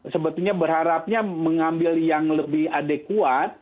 sebetulnya berharapnya mengambil yang lebih adekuat